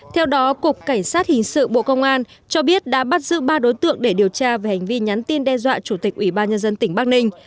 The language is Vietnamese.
theo đó cục cảnh sát hình sự bộ công an cho biết đã bắt giữ ba đối tượng để điều tra về hành vi nhắn tin đe dọa chủ tịch ủy ban nhân dân tỉnh bắc ninh